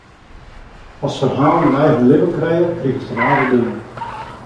As ferhalen in eigen libben krije, krigest rare dingen.